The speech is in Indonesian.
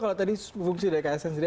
kalau tadi fungsi dari ksn sendiri